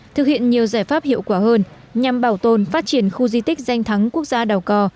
thực hiện nhiều giải pháp hiệu quả hơn nhằm bảo tồn phát triển khu di tích danh thắng quốc gia đảo cò